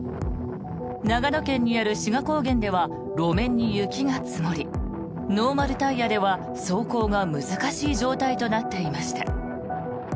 長野県にある志賀高原では路面に雪が積もりノーマルタイヤでは走行が難しい状態となっていました。